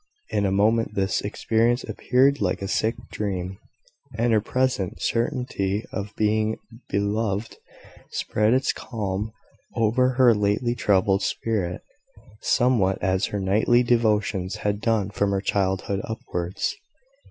In a moment this experience appeared like a sick dream, and her present certainty of being beloved spread its calm over her lately troubled spirit, somewhat as her nightly devotions had done from her childhood upwards.